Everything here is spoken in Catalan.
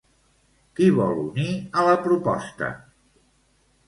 Qui vol unir a la proposta?